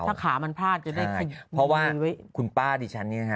ถ้าขามันพลาดจะได้เพราะว่าคุณป้าดิฉันเนี่ยนะฮะ